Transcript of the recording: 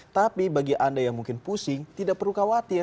tapi bagi anda yang mungkin pusing tidak perlu khawatir